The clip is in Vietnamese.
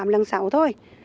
tám lần sáu thôi